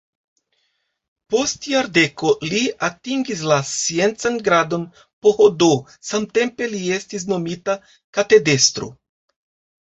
Post jardeko li atingis la sciencan gradon PhD, samtempe li estis nomita katedrestro.